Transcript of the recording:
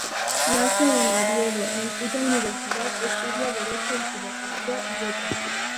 Nace en Oviedo en cuya universidad estudia Derecho y Filosofía y Letras.